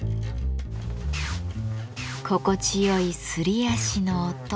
心地よいすり足の音。